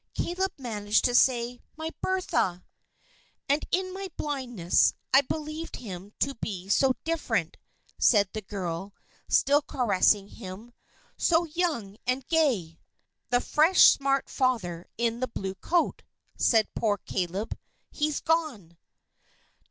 Caleb managed to say, "My Bertha!" "And in my blindness, I believed him to be so different," said the girl, still caressing him, "so young and gay!" "The fresh, smart father in the blue coat " said poor Caleb, "he's gone!"